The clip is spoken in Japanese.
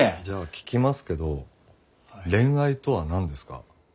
じゃあ聞きますけど恋愛とは何ですか？